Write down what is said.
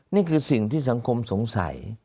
นี่คือสิ่งที่สังคมสงสัย